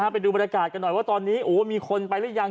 ไปดูบรรยากาศกันหน่อยว่าตอนนี้มีคนไปหรือยัง